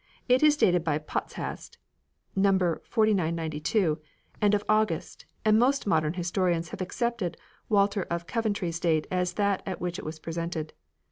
It is dated by Pott hast (No. 4992) end of August, and most modern his torians have accepted Walter of Coventry's date as that at which it was presented.